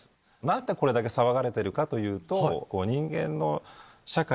何でこれだけ騒がれてるかというと。